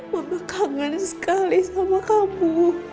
mama kangen sekali sama kamu